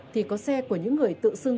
thì có xe của những người tự xưng